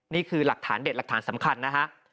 นี่คือหลักฐานเด็ดหลักฐานสำคัญนะฮะ